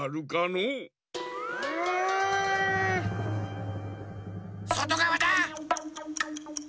うん。そとがわだ！